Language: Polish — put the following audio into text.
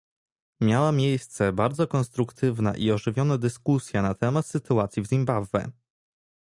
Miała miejsce bardzo konstruktywna i ożywiona dyskusja na temat sytuacji w Zimbabwe